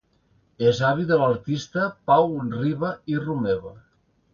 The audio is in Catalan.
És avi de l'artista Pau Riba i Romeva.